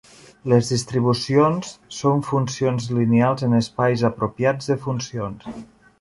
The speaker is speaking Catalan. Les distribucions són funcions lineals en espais apropiats de funcions.